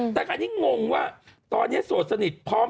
แต่คราวนี้งงว่าตอนนี้โสดสนิทพร้อม